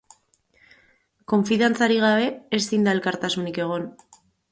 Konfidantzarik gabe ezin da elkartasunik egon.